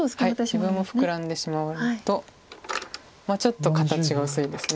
自分もフクラんでしまうとちょっと形が薄いです。